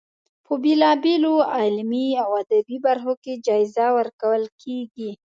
په بېلا بېلو علمي او ادبي برخو کې جایزه ورکول کیږي.